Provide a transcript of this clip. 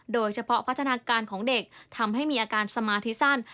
โดยเฉพาะพัฒนาการของเด็กทำให้มีอาการสมาธิสั้น